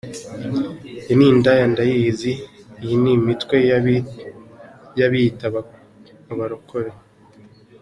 iyi,n ’indaya ndayizi iyinimitwe y’abiyita abarokore.